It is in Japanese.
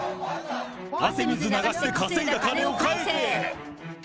汗水流して稼いだ金を返せ！